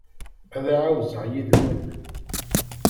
Ad ɛawzeɣ yid-wen.